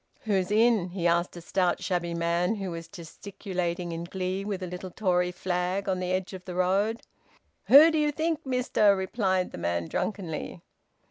"Who's in?" he asked a stout, shabby man, who was gesticulating in glee with a little Tory flag on the edge of the crowd. "Who do you think, mister?" replied the man drunkenly.